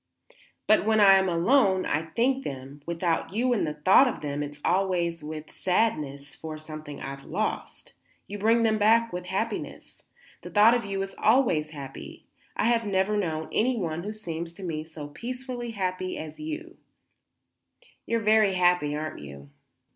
"But when I am alone and think them, without you in the thought of them, it's always with sadness, for something I've lost. You bring them back, with happiness. The thought of you is always happy. I have never known anyone who seemed to me so peacefully happy as you do. You are very happy, aren't you?"